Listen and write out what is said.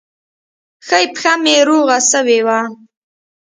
ښۍ پښه مې روغه سوې وه.